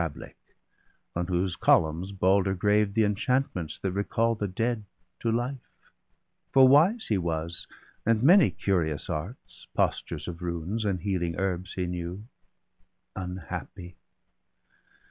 H5 Breidablik, on whose columns Balder graved The enchantments that recall the dead to life. For wise he was, and many curious arts, Postures of runes, and healing herbs he knew; Unhappy!